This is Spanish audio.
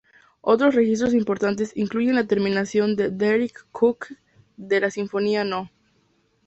Otros registros importantes incluyen la terminación de Deryck Cooke de la Sinfonía no.